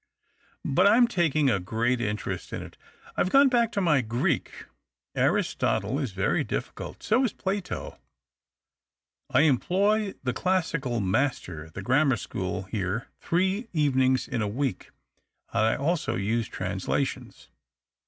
But I am taking a great interest in it. I have gone back to my Greek. Aristotle is very difficult — so is Plato. I employ the classical master at the grammar school here three evenings in a week, and I also use translations.